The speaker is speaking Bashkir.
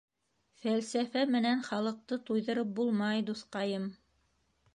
Фәлсәфә менән халыҡты туйҙырып булмай, дуҫҡайым.